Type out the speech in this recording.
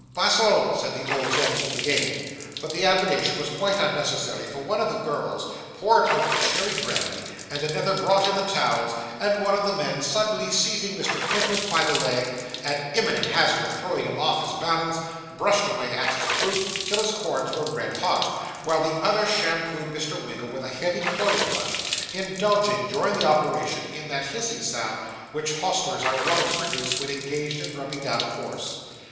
'Bustle!' said the old gentleman again, but the admonition was quite unnecessary, for one of the girls poured out the cherry brandy, and another brought in the towels, and one of the men suddenly seizing Mr. Pickwick by the leg, at imminent hazard of throwing him off his balance, brushed away at his boot till his corns were red hot; while the other shampooed Mr. Winkle with a heavy clothes brush, indulging, during the operation, in that hissing sound which hostlers are wont to produce when engaged in rubbing down a horse.